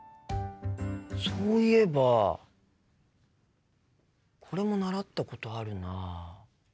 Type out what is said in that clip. そういえばこれも習ったことあるな。